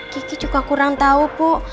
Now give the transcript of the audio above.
kiki juga kurang tahu bu